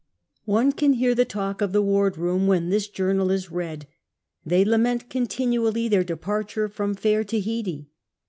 One can hear the talk of the ward room when this journal is read. They lament continually their depart ure from fair Tahiti.